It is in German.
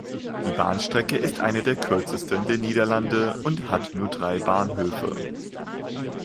Die Bahnstrecke ist eine der kürzesten der Niederlande und hat nur drei Bahnhöfe.